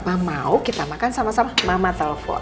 tapi kalau memang papa mau kita makan sama sama mama telepon